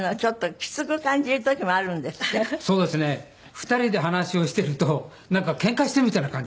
２人で話をしてるとなんかけんかしてるみたいな感じ。